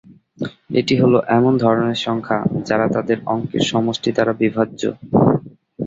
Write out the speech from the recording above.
এটি হল এমন ধরনের সংখ্যা যারা তাদের অঙ্কের সমষ্টি দ্বারা বিভাজ্য।